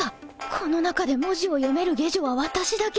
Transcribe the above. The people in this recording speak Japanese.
この中で文字を読める下女は私だけ